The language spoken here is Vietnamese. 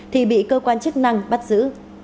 thì bị cơ quan chức năng bắt giữ